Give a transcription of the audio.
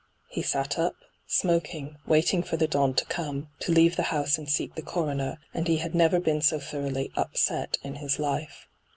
He sat up, smoking, wait ing for the dawn to come, to leave the house and seek the coroner, and he had never been 80 thoroughly ' upset ' in his life.